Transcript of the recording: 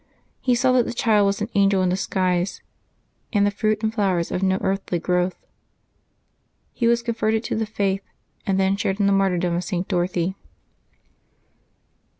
He saw that the child was an angel in disguise, and the fruit and flowers of no earthly growth. He was converted to the faith, and then shared in the martyrdom of St. Dorothy.